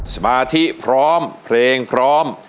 สมาธิพร้อมเพลงพร้อม